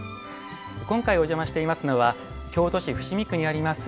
今回お邪魔していますのは京都市伏見区にあります